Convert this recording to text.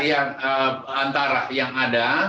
agenda antara yang ada